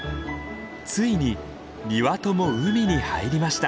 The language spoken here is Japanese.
ついに２羽とも海に入りました。